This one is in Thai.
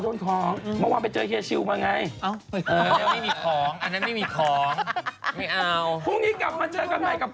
พรุ่งนี้กลับมาเจอกับใหม่กับข้าวสายไข่แป๊กกันก่อนครับ